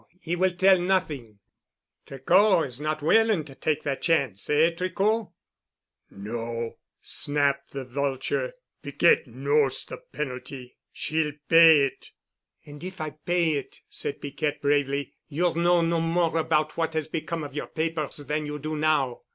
He will tell nothing——" "Tricot is not willing to take that chance. Eh, Tricot?" "No," snapped the vulture. "Piquette knows the penalty. She'll pay it." "And if I pay it," said Piquette bravely, "you'll know no more about what has become of your papers than you do now."